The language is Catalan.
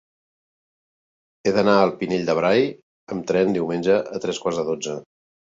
He d'anar al Pinell de Brai amb tren diumenge a tres quarts de dotze.